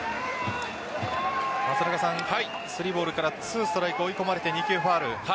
３ボールから２ストライク追い込まれて２球ファウル。